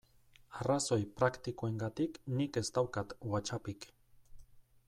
Arrazoi praktikoengatik nik ez daukat WhatsAppik.